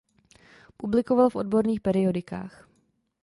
Publikoval v odborných periodikách.